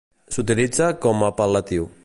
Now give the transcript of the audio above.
S'utilitza com a apel·latiu.